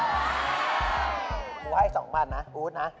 กูให้๒๐๐๐บาทนะอู๋อุ๊ดนะ